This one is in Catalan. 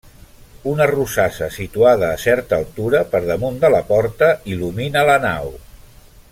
Una rosassa situada a certa altura per damunt de la porta il·lumina la nau.